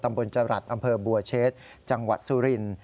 ตำบลจรัฐอำเภอบัวเชษจังหวัดสุริน